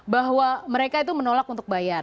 bahwa mereka itu menolak untuk bayar